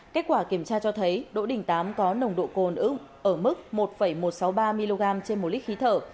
kết quả kiểm tra cho thấy đỗ đình tám có nồng độ cồn ở mức một một trăm sáu mươi ba mg trên một lít khí thở